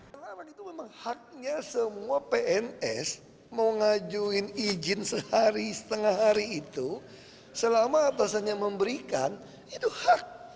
karena itu memang haknya semua pns mengajuin izin sehari setengah hari itu selama atasannya memberikan itu hak